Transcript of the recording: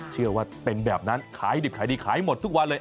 เชื่อว่าเป็นแบบนั้นขายดิบขายดีขายหมดทุกวันเลย